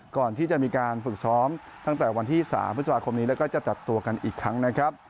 ก่อนที่จะมีการฝึกซ้อมตั้งแต่วันที่๓พฤษภาคมนี้แล้วก็จะตัดตัวกันอีกครั้งนะครับ